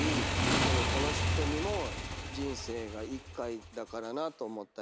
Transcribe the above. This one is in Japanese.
でもこの人にも人生が１回だからなと思ったり。